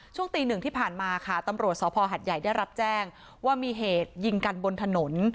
ช่วงตีหนึ่งที่ผ่านมาค่ะตำรวจสภหัดใหญ่ได้รับแจ้งว่ามีเหตุยิงกันบนถนน